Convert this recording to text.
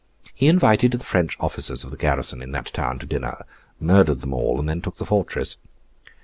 He invited the French officers of the garrison in that town to dinner, murdered them all, and then took the fortress.